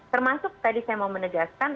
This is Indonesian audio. termasuk tadi saya mau menegaskan